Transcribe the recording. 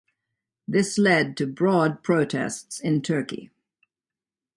This led to broad protests in Turkey.